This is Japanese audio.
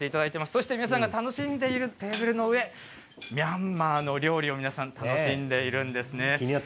そして皆さんが楽しんでいるテーブルの上、ミャンマーの料理を皆さん楽しんでいるんですね。